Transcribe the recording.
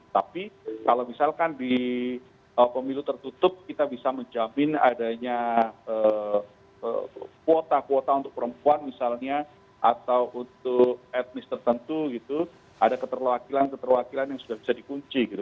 tapi kalau misalkan di pemilu tertutup kita bisa menjamin adanya kuota kuota untuk perempuan misalnya atau untuk etnis tertentu gitu ada keterwakilan keterwakilan yang sudah bisa dikunci gitu